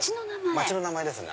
街の名前ですね